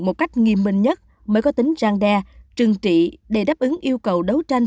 một cách nghiêm minh nhất mới có tính răng đe trừng trị để đáp ứng yêu cầu đấu tranh